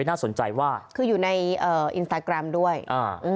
น่าสนใจว่าคืออยู่ในเอ่ออินสตาแกรมด้วยอ่า